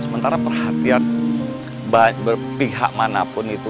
sementara perhatian berpihak manapun itu